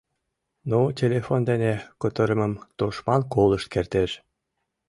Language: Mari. Ну, телефон дене кутырымым тушман колышт кертеш.